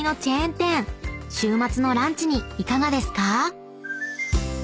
［週末のランチにいかがですか？］